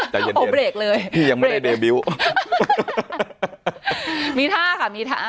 แต่เย็นเวทิวพี่ยังไม่ได้เดบิวท์มีท่าค่ะมีท่า